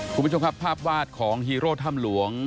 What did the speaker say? คุณผู้ชมครับภาพวาดของฮีโร่ถ้ำหลวง